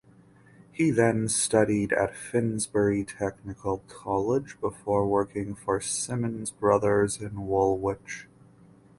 He then studied at Finsbury Technical College before working for Siemens Brothers in Woolwich.